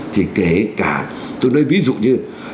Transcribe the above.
thì kể cả tôi nói ví dụ như